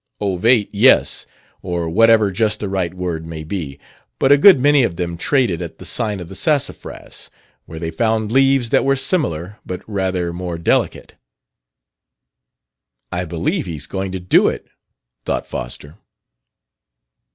"Ovate, yes; or whatever just the right word may be. But a good many of them traded at the Sign of the Sassafras, where they found leaves that were similar, but rather more delicate." "I believe he's going to do it," thought Foster.